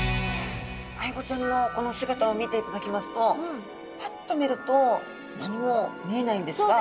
アイゴちゃんのこの姿を見ていただきますとパッと見ると何も見えないんですが。